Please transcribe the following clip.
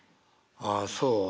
「ああそう」。